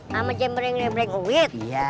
sama jembreng jembreng uit